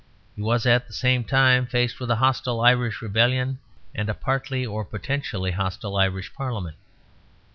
He was at the same time faced with a hostile Irish rebellion and a partly or potentially hostile Irish Parliament.